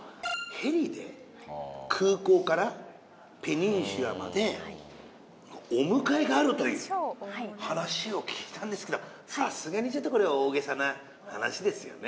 ヘリで空港からペニンシュラまでお迎えがあるという話を聞いたんですけどさすがにちょっとこれは大げさな話ですよね？